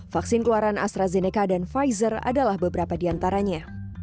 vaksin keluaran astrazeneca dan pfizer adalah beberapa di antaranya